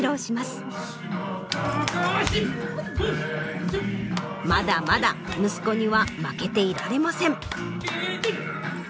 「かかし」まだまだ息子には負けていられません。